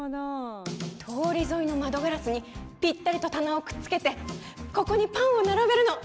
通り沿いの窓ガラスにぴったりと棚をくっつけてここにパンを並べるの。